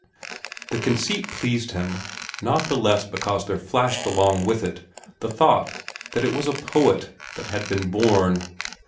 The conceit pleased him not the less because there flashed along with it the thought that it was a poet that had been born.